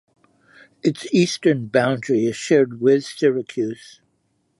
Its eastern boundary is shared with Syracuse.